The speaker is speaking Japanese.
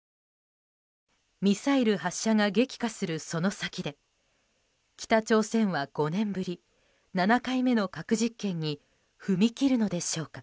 ミサイル発射が激化するその先で北朝鮮は５年ぶり７回目の核実験に踏み切るのでしょうか。